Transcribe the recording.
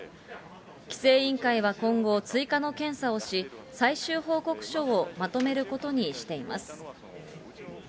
規制委員会は今後、追加の検査をし、最終報告書をまとめることにしています。